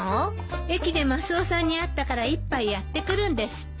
駅でマスオさんに会ったから１杯やってくるんですって。